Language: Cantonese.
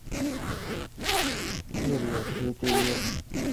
你不能說決沒有毀壞這鐵屋的希望。”